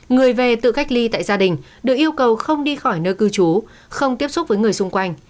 người về tự cách ly tại gia đình được yêu cầu không đi khỏi nơi cư trú không tiếp xúc với người xung quanh